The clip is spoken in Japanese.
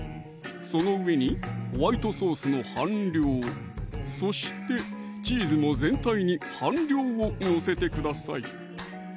その上にホワイトソースの半量そしてチーズも全体に半量を載せてください